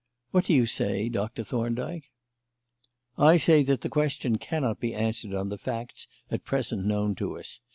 What do you say, Doctor Thorndyke?" "I say that the question cannot be answered on the facts at present known to us.